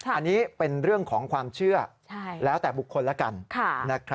อันนี้เป็นเรื่องของความเชื่อแล้วแต่บุคคลแล้วกัน